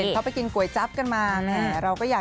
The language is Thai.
แล้วแพทย์เป็นเยี่ยมหรือเปล่า